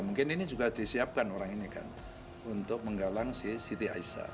mungkin ini juga disiapkan orang ini kan untuk menggalang si siti aisyah